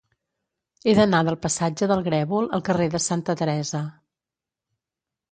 He d'anar del passatge del Grèvol al carrer de Santa Teresa.